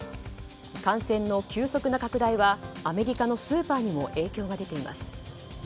感染の急速な拡大はアメリカのスーパーにも影響が出ています。